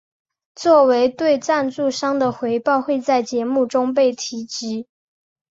作为对赞助商的回报会在节目中被提及。